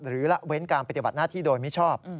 ละเว้นการปฏิบัติหน้าที่โดยมิชอบ